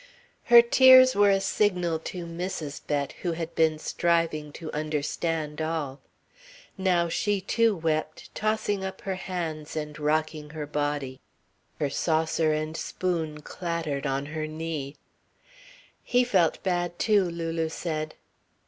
Her tears were a signal to Mrs. Bett, who had been striving to understand all. Now she too wept, tossing up her hands and rocking her body. Her saucer and spoon clattered on her knee. "He felt bad too," Lulu said.